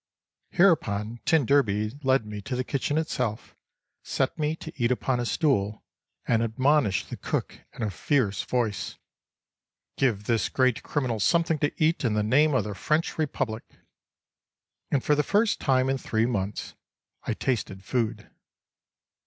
Hereupon t d led me to the Kitchen Itself, set me to eat upon a stool, and admonished the cook in a fierce voice: "Give this great criminal something to eat in the name of the French Republic!" And for the first time in three months I tasted Food.